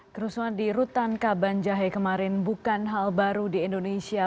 kerusuhan di rutan kaban jahe kemarin bukan hal baru di indonesia